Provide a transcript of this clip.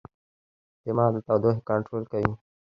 دماغ د تودوخې کنټرول کوي.